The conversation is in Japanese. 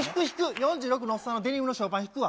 ４６のおっさん、デニムのショーパン引くわ。